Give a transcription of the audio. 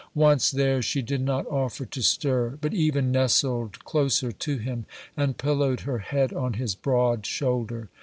Once there she did not offer to stir, but even nestled closer to him and pillowed her head on his broad shoulder.